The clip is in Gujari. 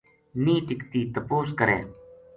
نیہہ ٹِکتی تپوس کرے